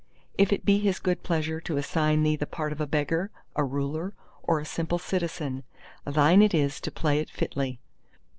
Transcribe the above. If it be his good pleasure to assign thee the part of a beggar, a ruler, or a simple citizen, thine it is to play it fitly.